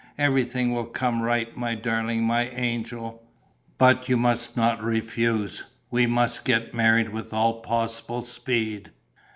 Everything will come right, my darling, my angel.... But you must not refuse: we must get married with all possible speed."